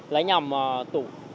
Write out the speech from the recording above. lấy nhầm tủ